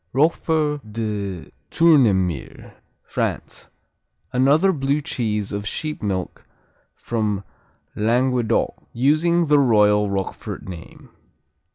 Roquefort de Tournemire France Another Blue cheese of sheep milk from Languedoc, using the royal Roquefort name.